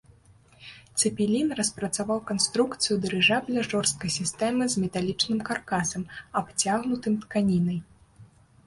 Цэпелін распрацаваў канструкцыю дырыжабля жорсткай сістэмы з металічным каркасам, абцягнутым тканінай.